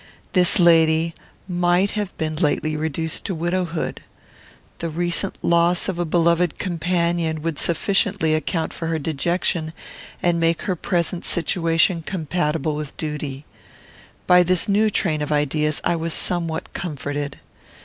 This lady might have been lately reduced to widowhood. The recent loss of a beloved companion would sufficiently account for her dejection, and make her present situation compatible with duty. By this new train of ideas I was somewhat comforted.